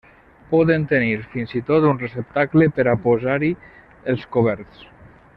Poden tenir fins i tot un receptacle per a posar-hi els coberts.